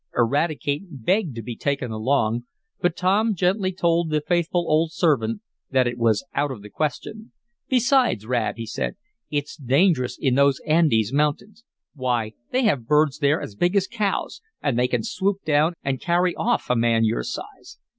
Eradicate begged to be taken along, but Tom gently told the faithful old servant that it was out of the question. "Besides, Rad," he said, "it's dangerous in those Andes Mountains. Why, they have birds there, as big as cows, and they can swoop down and carry off a man your size."